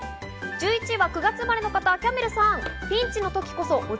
１１位は９月生まれの方、キャンベルさん。